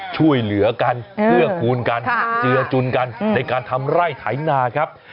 ช่วยเหลือกันเออคูณกันค่ะเจือจุนกันอืมในการทำไร้ไถนาครับ